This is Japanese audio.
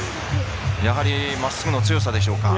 やはりまっすぐの強さでしょうか。